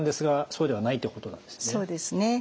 そうですね。